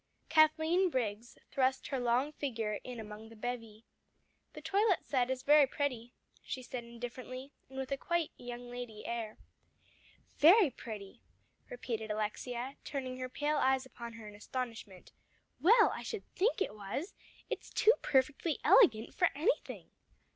Kathleen Briggs thrust her long figure in among the bevy. "That toilet set is very pretty," she said indifferently and with quite a young lady air. "Very pretty!" repeated Alexia, turning her pale eyes upon her in astonishment, "well, I should think it was! It's too perfectly elegant for anything!"